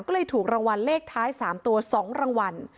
ก็เลยถูกรางวัลเลขท้าย๓ตัว๒รางวัล